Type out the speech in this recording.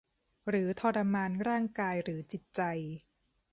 หรือทรมานร่างกายหรือจิตใจ